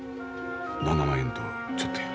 ７万円とちょっとや。